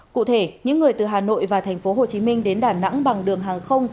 cụ thể những người từ hà nội và thành phố hồ chí minh đến đà nẵng bằng đường hàng không